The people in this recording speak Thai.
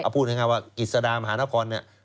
ก็พูดอย่างงานว่ากฤษฎามหานครเนี่ย